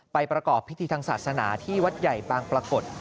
ประกอบพิธีทางศาสนาที่วัดใหญ่บางปรากฏ